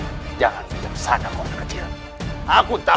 aku tahu kau membela aku membela harganya crabut